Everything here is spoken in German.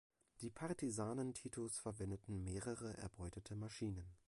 Die Partisanen Titos verwendeten mehrere erbeutete Maschinen.